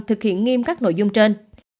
thực hiện nghiêm các nội dung trên